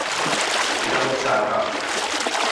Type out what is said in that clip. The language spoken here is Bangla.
এটা হচ্ছে আঘাত।